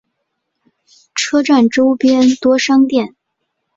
车站周边多商店。